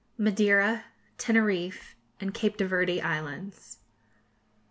MADEIRA, TENERIFFE, AND CAPE DE VERDE ISLANDS.